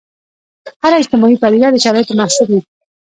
هره اجتماعي پدیده د شرایطو محصول وي.